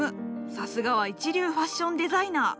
さすがは一流ファッションデザイナー。